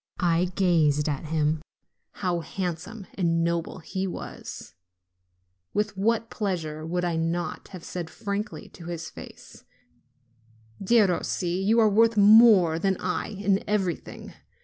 I gazed at him : how handsome and noble he was ! With what pleasure would I not have said frankly to his face: "Derossi, you are worth more than I in everything!